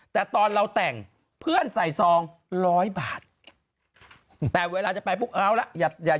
แต่ตอนเราแต่งเพื่อนใส่ซองร้อยบาทแต่เวลาจะไปปุ๊บเอาละอย่า